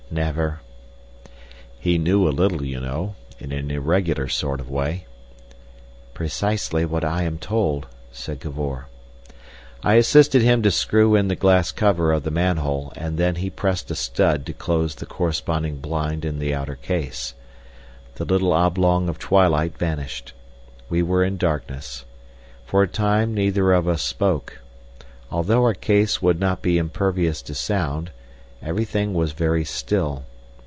"Never." "He knew a little, you know—in an irregular sort of way." "Precisely what I am told," said Cavor. I assisted him to screw in the glass cover of the manhole, and then he pressed a stud to close the corresponding blind in the outer case. The little oblong of twilight vanished. We were in darkness. For a time neither of us spoke. Although our case would not be impervious to sound, everything was very still.